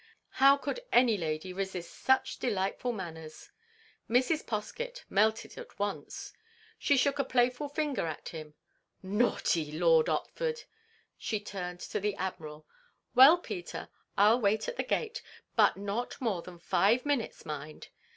How could any lady resist such delightful manners? Mrs. Poskett melted at once. She shook a playful finger at him. "Naughty Lord Otford!"—she turned to the Admiral—"Well, Peter; I 'll wait at the gate. But not more than five minutes, mind!"